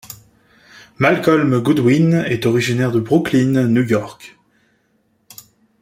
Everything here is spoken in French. Malcolm Goodwin est originaire de Brooklyn, New York.